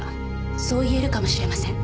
そう言えるかもしれません。